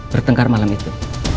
bertengkar malam itu